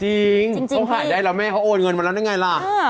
จริงเขาหายได้แล้วแม่เขาโอนเงินมาแล้วได้ไงล่ะ